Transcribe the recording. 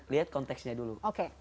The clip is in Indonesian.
lihat konteksnya dulu